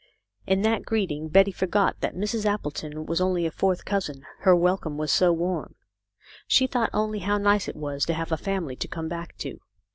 In that greeting Betty forgot BACK TO THE CUCKOO'S NEST. 37 that Mrs. Appleton was only a fourth cousin, her welcome was so warm ; she thought only how nice it was to have a family to come back to.